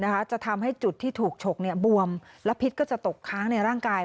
จะทำให้จุดที่ถูกฉกเนี่ยบวมและพิษก็จะตกค้างในร่างกาย